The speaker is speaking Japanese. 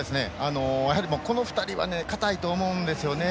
やはりこの２人は堅いと思うんですね。